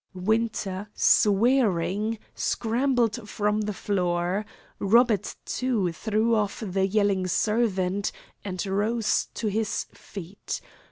Winter, swearing, scrambled from the floor. Robert, too, threw off the yelling servant, and rose to his feet.